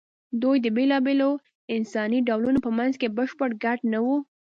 دوی د بېلابېلو انساني ډولونو په منځ کې بشپړ ګډ نه وو.